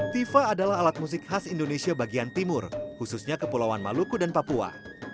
tifa adalah alat musik khas indonesia bagian timur khususnya kepulauan maluku dan papua